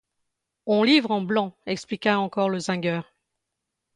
On livre en blanc, expliqua encore le zingueur.